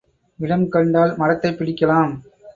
இடம் கண்டால் மடத்தைப் பிடிக்கலாம்.